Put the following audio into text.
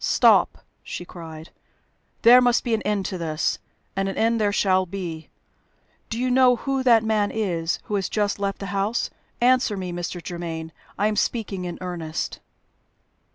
"Stop!" she cried. "There must be an end to this. And an end there shall be. Do you know who that man is who has just left the house? Answer me, Mr. Germaine! I am speaking in earnest."